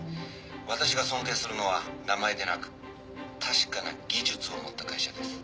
「私が尊敬するのは名前でなく確かな技術を持った会社です」